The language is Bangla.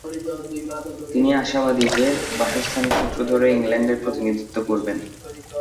তিনি আশাবাদী যে, বাসস্থানের সূত্র ধরে ইংল্যান্ডের প্রতিনিধিত্ব করবেন।